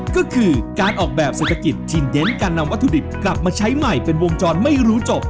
ก็คือการออกแบบเศรษฐกิจที่เน้นการนำวัตถุดิบกลับมาใช้ใหม่เป็นวงจรไม่รู้จบ